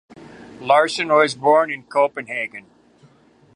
Larsen was born in Copenhagen.